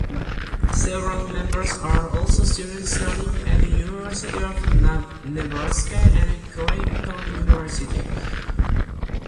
Several members are also students studying at University of Nebraska and Creighton University.